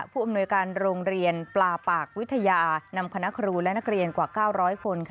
ผู้อำนวยการโรงเรียนปลาปากวิทยานำคณะครูและนักเรียนกว่า๙๐๐คน